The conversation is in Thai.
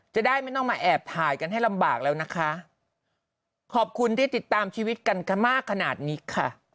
จะได้ไม่ต้องมาแอบถ่ายกันให้ลำบากแล้วนะคะขอบคุณที่ติดตามชีวิตกันมากขนาดนี้ค่ะ